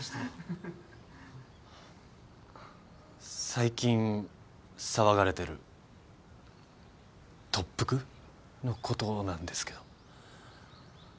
最近騒がれてる特服？のことなんですけど。